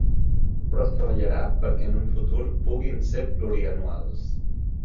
Però es treballarà perquè, en un futur, puguin ser plurianuals.